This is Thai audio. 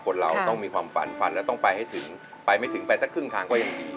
คนเราต้องมีความฝันฝันแล้วต้องไปให้ถึงไปไม่ถึงไปสักครึ่งทางก็ยังดี